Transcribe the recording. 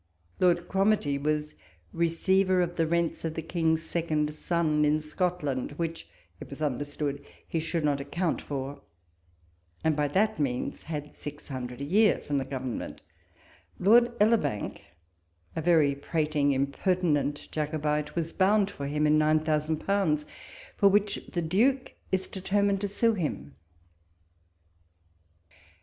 Lord Cromartie was receiver of the rents of the King's second son in Scotland, which, it was understood, he should not account for ; and by that means had six hundred a year from the Government : Lord Elibank, a very prating, impertinent Jacobite, was bound fo) him in nine thousand pounds, for which the Duke is deterrhined to sue him.